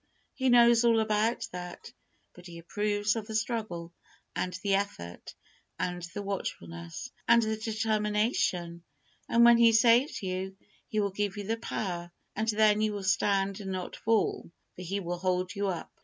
He knows all about that, but He approves of the struggle, and the effort, and the watchfulness, and the determination, and when He saves you, He will give you the power, and then you will stand and not fall, for He will hold you up.